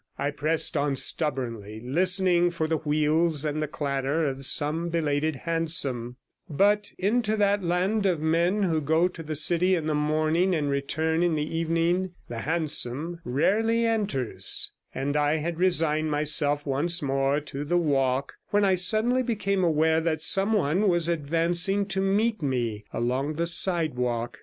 I pressed on stubbornly, listening for the wheels and the clatter of some belated hansom; but into that land of men who go to the city in the morning and return in the evening the hansom rarely enters, and I had resigned myself once more to the walk, when I suddenly became aware that someone was advancing to meet me along the sidewalk.